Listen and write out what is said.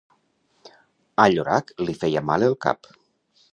A Llorac li feia mal el cap.